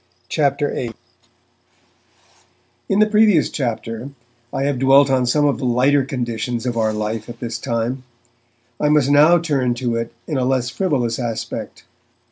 CHAPTER VIII IN the previous chapter I have dwelt on some of the lighter conditions of our life at this time; I must now turn to it in a less frivolous aspect.